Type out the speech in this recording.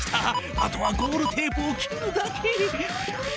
あとはゴールテープを切るだけ。